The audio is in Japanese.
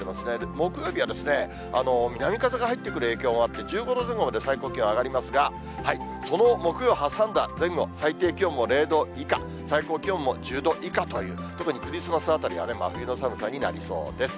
木曜日は南風が入ってくる影響もあって、１５度前後まで最高気温上がりますが、その木曜挟んだ前後、最低気温も０度以下、最高気温も１０度以下という、特にクリスマスあたりは真冬の寒さになりそうです。